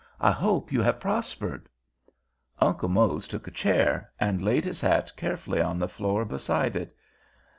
I hope you have prospered." Uncle Mose took a chair and laid his hat carefully on the floor beside it.